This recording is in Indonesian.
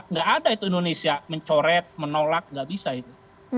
nggak ada itu indonesia mencoret menolak nggak bisa itu